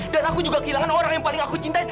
dan aku juga kehilangan orang yang paling aku cintai